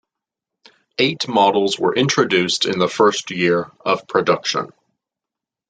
Eight models were introduced in the first year of production.